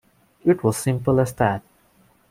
It was simple as that.